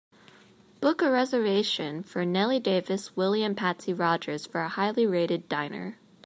Book a reservation for nellie davis, willie and patsy rogers for a highly rated diner